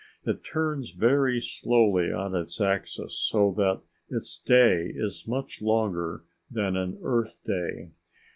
It turns very slowly on its axis, so that its day is much longer than an Earth day.